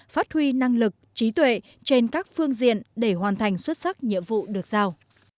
phát huy năng lực trí tuệ trên các phương diện để hoàn thành xuất sắc nhiệm vụ được giao